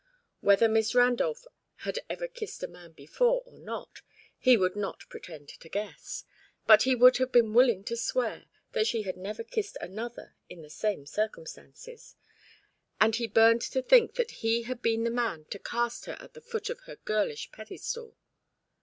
Whether Miss Randolph had ever kissed a man before or not, he would not pretend to guess; but he would have been willing to swear that she had never kissed another in the same circumstances; and he burned to think that he had been the man to cast her at the foot of her girlish pedestal.